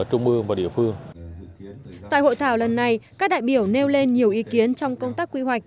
tại hội thảo lần này các đại biểu nêu lên nhiều ý kiến trong công tác quy hoạch